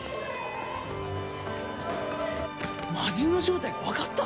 魔人の正体がわかった！？